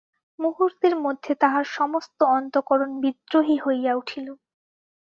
মুহূর্তের মধ্যে তাহার সমস্ত অন্তঃকরণ বিদ্রোহী হইয়া উঠিল।